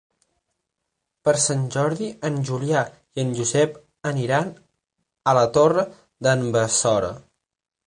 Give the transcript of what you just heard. Per Sant Jordi en Julià i en Josep aniran a la Torre d'en Besora.